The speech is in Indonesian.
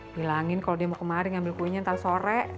bilangin kalau dia mau kemari ngambil kuenya nanti sore